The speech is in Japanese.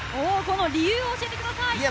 理由を教えてください。